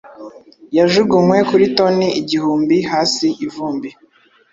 yajugunywe kuri toni igihumbi hasi ivumbi,